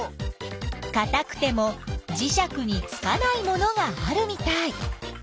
かたくてもじしゃくにつかないものがあるみたい。